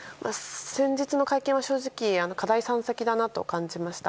先日の会見は正直課題山積だと感じました。